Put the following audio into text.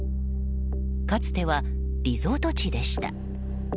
かつてはリゾート地でした。